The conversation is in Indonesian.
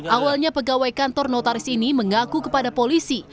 awalnya pegawai kantor notaris ini mengaku kepada polisi